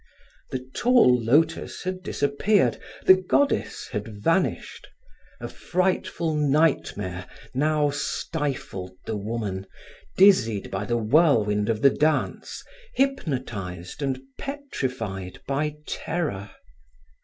The tall lotus had disappeared, the goddess had vanished; a frightful nightmare now stifled the woman, dizzied by the whirlwind of the dance, hypnotized and petrified by terror.